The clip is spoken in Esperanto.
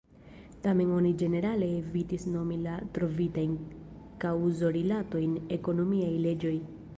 Tamen oni ĝenerale evitis nomi la trovitajn kaŭzorilatojn ekonomiaj leĝoj.